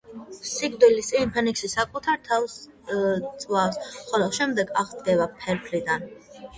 სიკვდილის წინ ფენიქსი საკუთარ თავს წვავს, ხოლო შემდეგ აღსდგება ფერფლიდან.